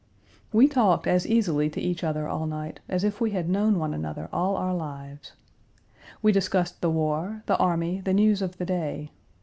We talked as easily to each other all night as if we had known one another all our lives. We discussed the war, the army, the news of the day.